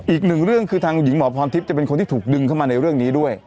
อีกหนึ่งเรื่องคือทางหญิงหมอพรทิพย์จะเป็นคนที่ถูกดึงเข้ามาในเรื่องนี้ด้วย